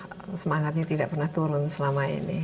dan passion ini semangatnya tidak pernah turun selama ini